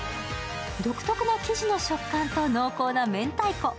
独特な生地の食感と濃厚なめんたいこ。